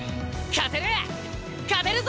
勝てる！